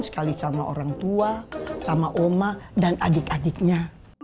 sekali sama orang tua sama oma dan adik adiknya